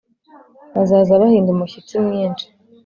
bazaza bahinda umushyitsi mwinshi